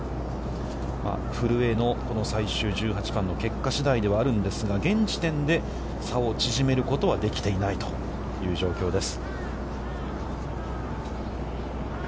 古江のこの最終１８番の結果次第ではあるんですが、現時点で、差を縮めることはできていないという状況です。